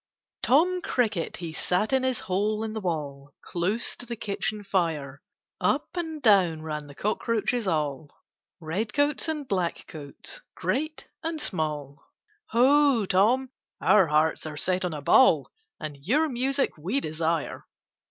TOM CRICKET he sat in his hole in the wall, Close to the kitchen fire, Up and down ran the Cockroaches all, Red coats and black coats, great and small; "Ho, Tom! our hearts are set on a ball, And your music we desire!"